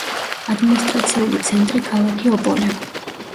ადმინისტრაციული ცენტრი ქალაქი ოპოლე.